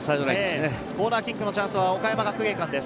コーナーキックのチャンスは岡山学芸館です。